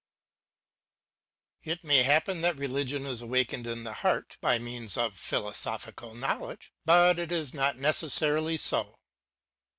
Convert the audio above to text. It may happen that religion is awakened in the heart by means of philosophical knowledge, but it is not neces sarily so.